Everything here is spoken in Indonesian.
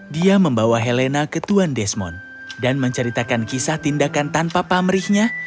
dia membawa helena ke tuan desmond dan menceritakan kisah tindakan tanpa pamrihnya